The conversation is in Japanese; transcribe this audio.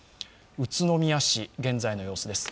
宇都宮市、現在の様子です。